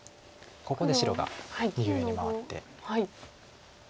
ここで白が右上に回って。